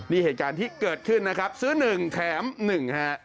นี่เหตุการณ์ที่เกิดขึ้นนะครับซื้อ๑แถม๑ฮะ